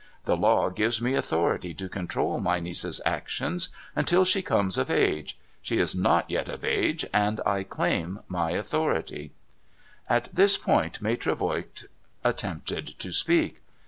The law gives me authority to control my niece's actions, until she comes of age. She is not yet of age ; and I claim my authority,' At this point Maitre Voigt attempted to speak.